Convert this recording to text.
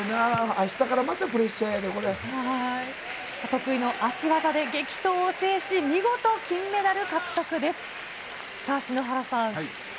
あしたからまたプレッシャー得意の足技で激闘を制し、見事金メダル獲得です。